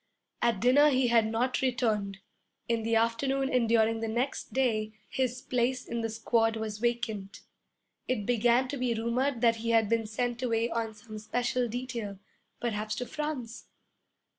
At dinner he had not returned. In the afternoon and during the next day his place in the squad was vacant. It began to be rumored that he had been sent away on some special detail, perhaps to France.